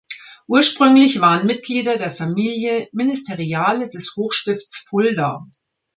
Ursprünglich waren Mitglieder der Familie Ministeriale des Hochstifts Fulda.